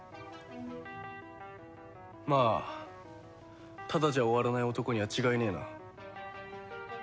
まあタダじゃ終わらない男には違いねえな。